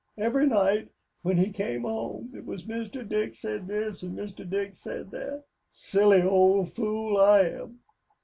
Every night when he came home, it was Mr. Dick said this, and Mr. Dick said that. Silly old fool, I am.